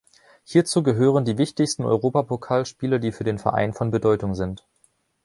Hierzu gehören die wichtigsten Europapokalspiele, die für den Verein von Bedeutung sind.